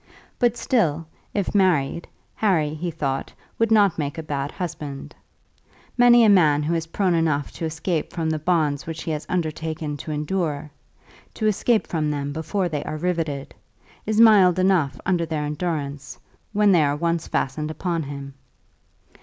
But still, if married, Harry, he thought, would not make a bad husband. Many a man who is prone enough to escape from the bonds which he has undertaken to endure, to escape from them before they are riveted, is mild enough under their endurance, when they are once fastened upon him.